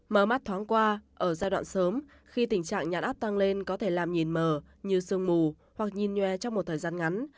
mờ mắt thoáng qua ở giai đoạn sớm khi tình trạng nhạt áp tăng lên có thể làm nhìn mờ như sương mù hoặc nhìn nhòe trong một thời gian ngắn